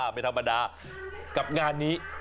ไม่ธรรมดากับงานนี้